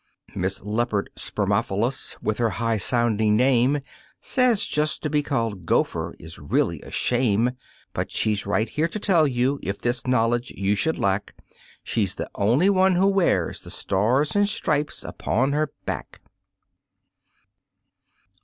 Miss Leopard Spermophilus, with her high sounding name, Says just to be called "Gopher" is really a shame, And she's right here to tell you if this knowledge you should lack She's the only one who wears the stars and stripes upon her back.